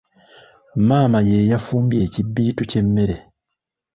Maama ye yafumbye ekibbiitu ky’emmere.